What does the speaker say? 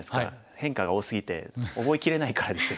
変化が多すぎて覚えきれないからですよ。